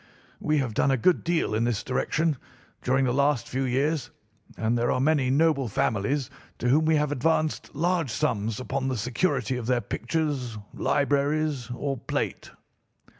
We have done a good deal in this direction during the last few years, and there are many noble families to whom we have advanced large sums upon the security of their pictures, libraries, or plate.